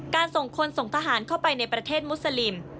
ส่งคนส่งทหารเข้าไปในประเทศมุสลิม